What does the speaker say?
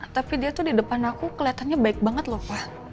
tapi dia tuh di depan aku kelihatannya baik banget lho pak